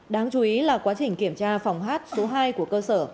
đáng chú ý là quá trình kiểm tra phòng hát số hai của cơ sở